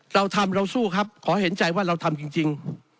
เราทำเราสู้ครับขอเห็นใจว่าเราทำจริง